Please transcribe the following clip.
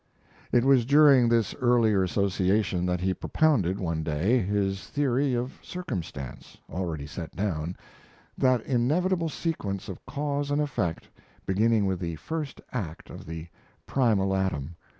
It was during this earlier association that he propounded, one day, his theory of circumstance, already set down, that inevitable sequence of cause and effect, beginning with the first act of the primal atom.